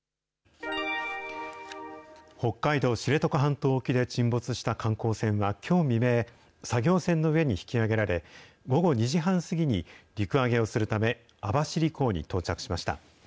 北海道知床半島沖で沈没した観光船は、きょう未明、作業船の上に引き揚げられ、午後２時半過ぎに、陸揚げをするため、網走港に到着しました。